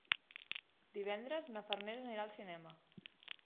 Divendres na Farners anirà al cinema.